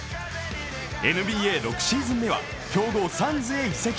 ＮＢＡ６シーズン目は強豪サンズへ移籍。